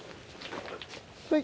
はい。